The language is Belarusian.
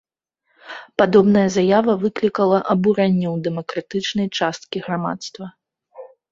Падобная заява выклікала абурэнне ў дэмакратычнай часткі грамадства.